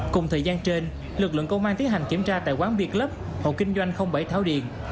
cùng thời gian trên lực lượng công an tiến hành kiểm tra tại quán biệt lớp hộ kinh doanh bảy thảo điền